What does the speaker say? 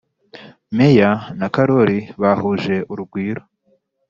Meya na karori bahuje urugwiro